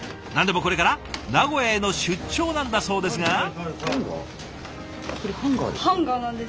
何でもこれから名古屋への出張なんだそうですが。